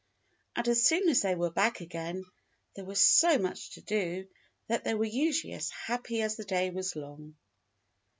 And as soon as they were back again there was so much to do that they were usually as happy as the day was long.